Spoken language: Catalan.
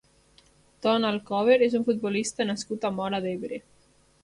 Ton Alcover és un futbolista nascut a Móra d'Ebre.